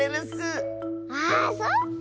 あそっか！